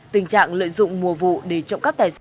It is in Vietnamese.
tình trạng lợi dụng mùa vụ để trộm cắp tài sản